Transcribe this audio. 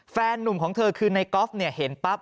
แฟนนุ่มของเธอคือในกอล์ฟเห็นปั๊บ